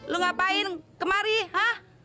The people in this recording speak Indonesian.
lu ngapain kemari hah